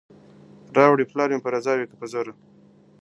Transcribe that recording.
راوړئ پلار مي په رضا وي که په زوره,